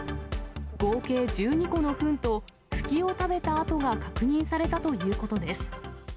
合計１２個のふんと、フキを食べた跡が確認されたということです。